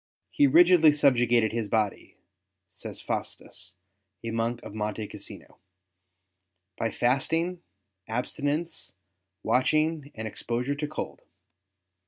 He rigidly subjugated his body," says Faustus, a monk of Monte Cassino, '' by fasting, abstinence, watching, and exposure to cold.